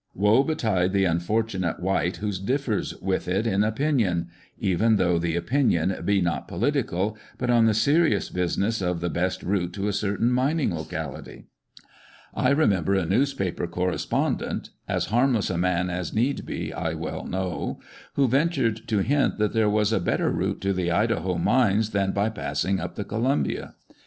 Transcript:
Woe betide the unfortunate wight who diifers with it in opinion — even though the opinion be not political, but on the serious business of the best route to a certain mining locality. I remember a newspaper correspondent (as harmless a man as need be, I well know) who ventured to hint that there was a better route to the Idaho mines than by passing up the Columbia.